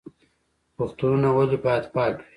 روغتونونه ولې باید پاک وي؟